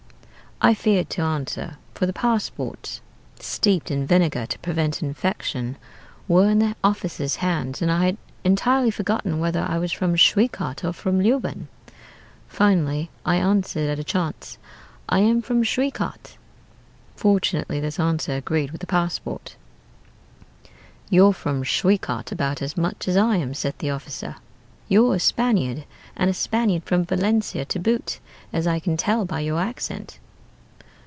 "I feared to answer; for the passports (steeped in vinegar to prevent infection) were in the officer's hands, and I had entirely forgotten whether I was from Schwekat or from Leoben. Finally I answered at a chance, 'I am from Schwekat;' fortunately this answer agreed with the passport. "'You're from Schwekat about as much as I am,' said the officer: 'you're a Spaniard, and a Spaniard from Valencia to boot, as I can tell by your accent.'